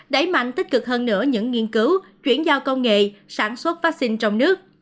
đẩy mạnh tích cực hơn nữa những nghiên cứu chuyển giao công nghệ sản xuất vaccine trong nước